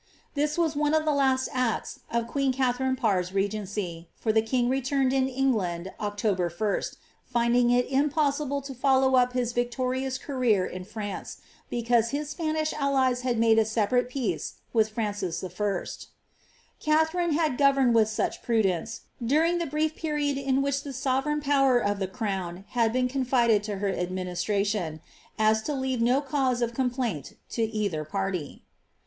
^'' This was one of the last acts of queen Katha ine Parr's regency, for the king returned to England October 1st, find ag it impossible to follow up his victorious career in France, because d» Spanish allies had made a separate peace with Francis I. Katharine tad governed with such prudence, during the brief period in which the OTereign power of the crown had been confided to her administration^ M to leave no cause of complaint to either party.